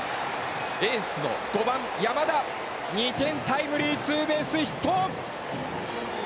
エースの５番山田、２点タイムリーツーベースヒット！